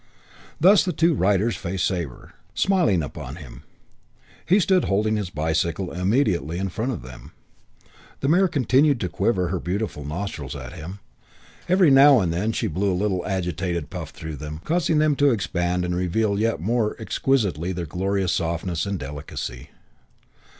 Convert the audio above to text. IV Thus the two riders faced Sabre, smiling upon him. He stood holding his bicycle immediately in front of them. The mare continued to quiver her beautiful nostrils at him; every now and then she blew a little agitated puff through them, causing them to expand and reveal yet more exquisitely their glorious softness and delicacy.